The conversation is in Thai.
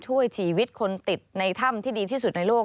ช่วยชีวิตคนติดในถ้ำที่ดีที่สุดในโลก